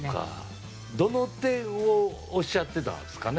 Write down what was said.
どの点をおっしゃってたんですかね。